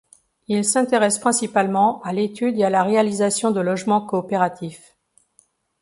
Il s'intéresse principalement à l’étude et à la réalisation de logements coopératifs.